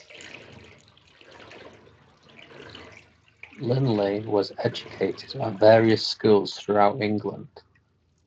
Linley was educated at various schools throughout England.